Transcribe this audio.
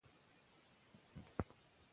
خو بيا هم له نارينه زاويې نه ورته کتل شوي